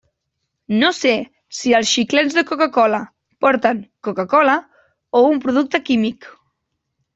No sé si els xiclets de Coca-cola porten Coca-cola o un producte químic.